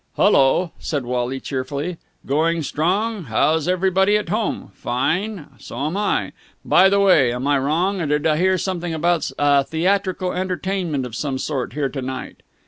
"Hullo!" said Wally cheerfully. "Going strong? How's everybody at home? Fine? So am I! By the way, am I wrong or did I hear something about a theatrical entertainment of some sort here to night?"